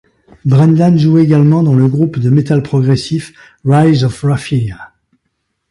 Brendan joue également dans le groupe de metal progressif Rise of Raphia.